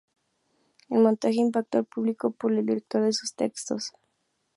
El montaje impactó al público por lo directo de sus textos.